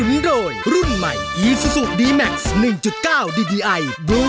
ก็ร้องได้ให้ร้าน